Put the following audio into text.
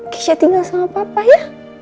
kisah tinggal sama papa ya